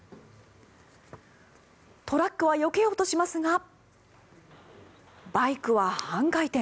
トラックはよけようとしますがバイクは半回転。